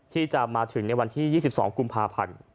ที่จะมาถึงในวันที่๒๒กุมภาพันธ์